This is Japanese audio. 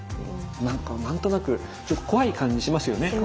なんか何となくちょっと怖い感じしますよね。